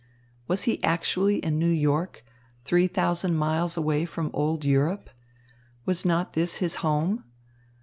Was he actually in New York, three thousand miles away from old Europe? Was not this his home?